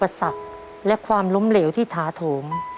อุปสรรคและความล้มเหลวที่ท้าโถม